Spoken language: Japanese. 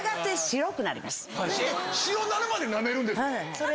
白くなるまでなめるんですか